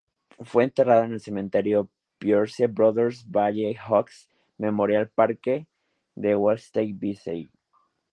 Fue enterrado en el Cementerio Pierce Brothers Valley Oaks Memorial Park de Westlake Village.